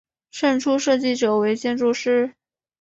胜出设计者为建筑师。